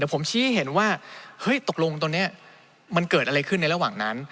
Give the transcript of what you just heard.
ผมชี้ให้เห็นว่าเฮ้ยตกลงตรงนี้มันเกิดอะไรขึ้นในระหว่างนั้น